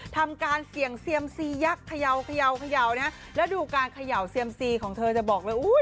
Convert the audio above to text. ทำการเสี่ยงเซียมซียักษ์เขย่าเขย่านะฮะแล้วดูการเขย่าเซียมซีของเธอจะบอกเลยอุ้ย